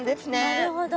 なるほど。